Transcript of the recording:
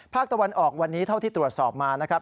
ภาคตะวันออกวันนี้เท่าที่ตรวจสอบมานะครับ